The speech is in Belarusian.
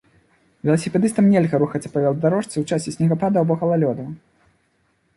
Веласіпедыстам нельга рухацца па веладарожцы ў часе снегападу або галалёду.